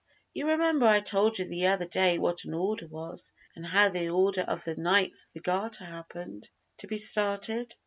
You remember I told you the other day what an order was, and how the Order of the Knights of the Garter happened to be started."